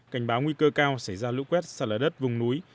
cảnh báo nguy cơ cao xảy ra lũ quét sạt lở đất vùng núi